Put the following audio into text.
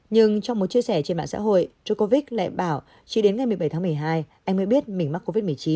nhưng trong một chia sẻ trên mạng xã hội cho covid lại bảo chỉ đến ngày một mươi bảy tháng một mươi hai anh mới biết mình mắc covid một mươi chín